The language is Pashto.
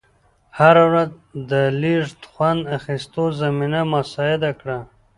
هره ورځ د لیږ خوند اخېستو زمینه مساعده کړه.